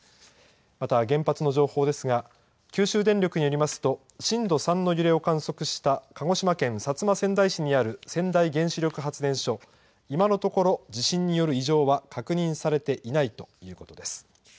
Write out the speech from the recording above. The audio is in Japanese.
また、原発の情報ですが、九州電力によりますと、震度３の揺れを観測した鹿児島県薩摩川内市にある川内原子力発電所、今のところ、地震による異常は確認されていないということです。